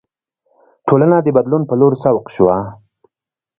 ټولنه د بدلون په لور سوق شوه.